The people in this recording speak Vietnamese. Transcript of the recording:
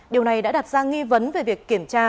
điều này đã đặt ra nghi vấn về việc kiểm tra